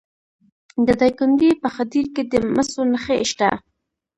د دایکنډي په خدیر کې د مسو نښې شته.